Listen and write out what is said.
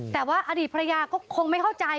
แต่ว่าอดีตภรรยาก็คงไม่เข้าใจ